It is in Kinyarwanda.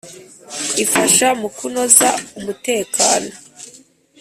ifasha mu kunoza umutekano .